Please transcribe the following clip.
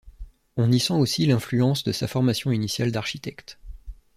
On y sent aussi l'influence de sa formation initiale d'architecte.